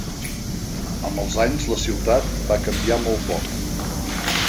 Amb els anys la ciutat va canviar molt poc.